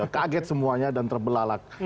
kaget semuanya dan terbelalak